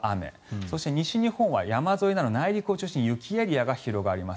そして、西日本は山沿いなど内陸を中心に雪エリアが広がります。